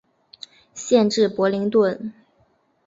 县治伯灵顿。